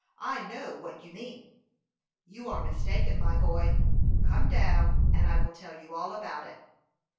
I know what you mean." "You are mistaken, my boy. Come down, and I will tell you all about it."